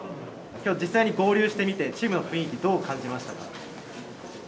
実際、合流してみてチームの雰囲気どう感じましたか？